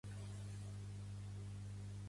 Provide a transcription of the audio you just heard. Pertany al moviment independentista la Montse?